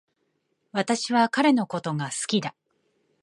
私は彼のことが好きだ